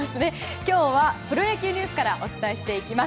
今日はプロ野球ニュースからお伝えしていきます。